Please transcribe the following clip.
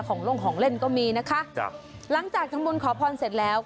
ลงของเล่นก็มีนะคะจ้ะหลังจากทำบุญขอพรเสร็จแล้ว